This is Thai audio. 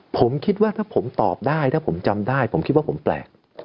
ผมคิดว่าถ้าผมตอบได้ถ้าผมจำได้ผมคิดว่าผมแปลก